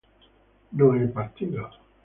no he partido